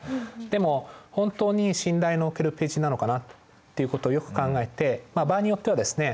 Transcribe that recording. でも本当に信頼の置けるページなのかなっていうことをよく考えてまあ場合によってはですね